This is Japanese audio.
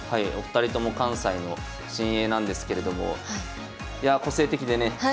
お二人とも関西の新鋭なんですけれどもいやあ個性的でね